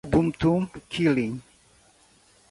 Ubuntu Kylin